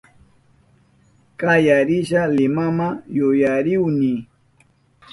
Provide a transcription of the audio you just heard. Kaya risha Limama yuyarihuni